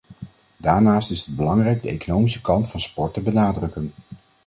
Daarnaast is het belangrijk de economische kant van sport te benadrukken.